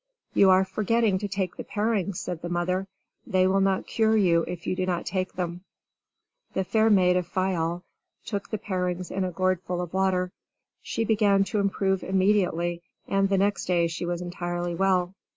"You are forgetting to take the parings," said the mother. "They will not cure you if you do not take them." The fair maid of Fayal took the parings in a gourd full of water. She began to improve immediately and the next day she was entirely well.